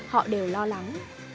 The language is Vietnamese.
họ đều lo lắng